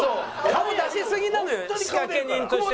顔出しすぎなのよ仕掛け人としてね。